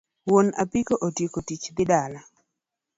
Wuon apiko otieko tich dhi dala.